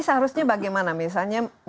seharusnya bagaimana misalnya